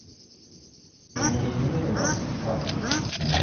Я не разумею вас, тату.